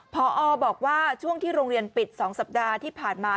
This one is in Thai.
พอบอกว่าช่วงที่โรงเรียนปิด๒สัปดาห์ที่ผ่านมา